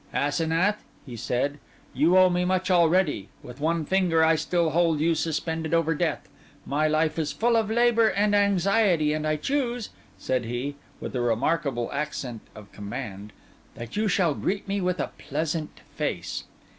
'Asenath.' he said, 'you owe me much already; with one finger I still hold you suspended over death; my life is full of labour and anxiety; and I choose,' said he, with a remarkable accent of command, 'that you shall greet me with a pleasant face.